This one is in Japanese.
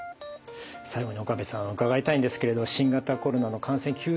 最後に岡部さん伺いたいんですけれど新型コロナの感染急増しています。